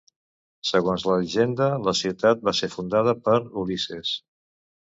Segons la llegenda, la ciutat va ser fundada per Ulisses.